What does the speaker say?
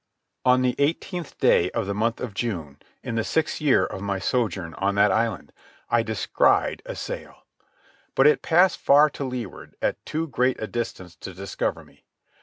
On the eighteenth day of the month of June, in the sixth year of my sojourn on the island, I descried a sail. But it passed far to leeward at too great a distance to discover me.